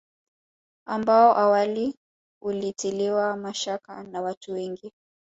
Ambao awali ulitiliwa mashaka na watu wengi